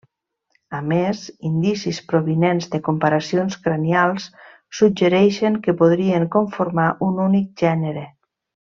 A més, indicis provinents de comparacions cranials suggereixen que podrien conformar un únic gènere.